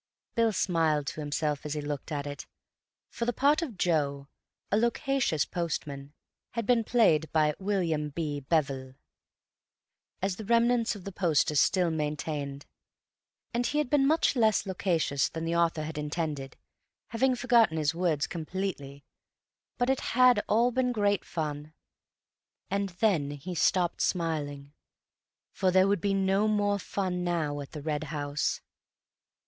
Bill smiled to himself as he looked at it, for the part of Joe, a loquacious postman, had been played by "William B. Beverl," as the remnants of the poster still maintained, and he had been much less loquacious than the author had intended, having forgotten his words completely, but it had all been great fun. And then he stopped smiling, for there would be no more fun now at the Red House.